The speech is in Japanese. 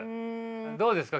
どうですか。